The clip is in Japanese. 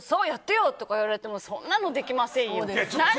やってよって言われてもそんなのできませんよ。